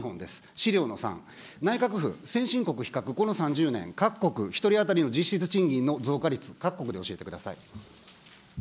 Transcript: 資料の３。内閣府、先進国比較、この３０年、各国１人当たりの実質賃金の増加率、各国で教えてください。